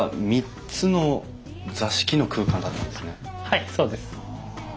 はいそうです。